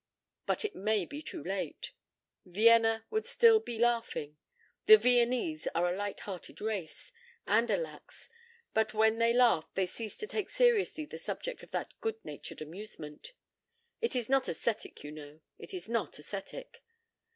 But it may be too late. Vienna would still be laughing. The Viennese are a light hearted race, and a lax, but when they laugh they cease to take seriously the subject of that good natured amusement. ... It is not aesthetic, you know, it is not aesthetic.